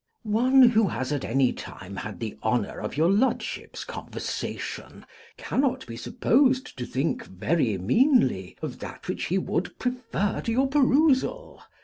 One who has at any time had the honour of your lordship's conversation, cannot be supposed to think very meanly of that which he would prefer to your perusal.